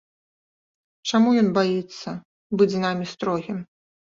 Чаму ён баіцца быць з намі строгім?